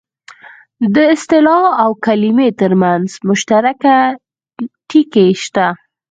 د اصطلاح او کلمې ترمنځ مشترک ټکي شته